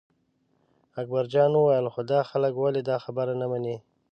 اکبرجان وویل خو دا خلک ولې دا خبره نه مني.